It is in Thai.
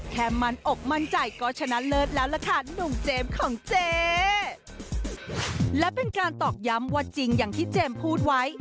มั่นอกมั่นใจก็ชนะเลิศแล้วล่ะค่ะหนุ่มเจมส์ของเจ๊และเป็นการตอกย้ำว่าจริงอย่างที่เจมส์พูดไว้